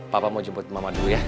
papa mau jemput mama dulu ya